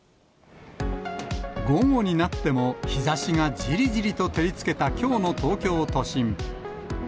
午後になっても日ざしがじりじりと照りつけたきょうの東京都心。